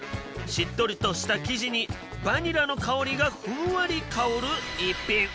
しっとりとした生地にバニラの香りがふんわり香る一品。